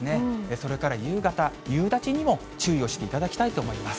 それから夕方、夕立にも注意をしていただきたいと思います。